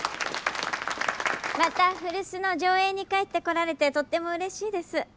また古巣の条映に帰ってこられてとってもうれしいです。